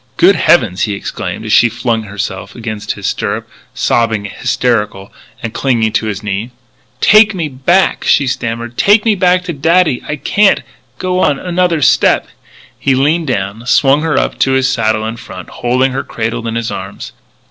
"Good heavens!" he exclaimed as she flung herself against his stirrup, sobbing, hysterical, and clinging to his knee. "Take me back," she stammered, " take me back to daddy! I can't go on another step " He leaned down, swung her up to his saddle in front, holding her cradled in his arms.